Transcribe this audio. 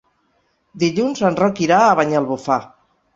Dilluns en Roc irà a Banyalbufar.